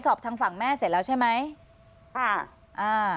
สอบทางฝั่งแม่เสร็จแล้วใช่ไหมอ่า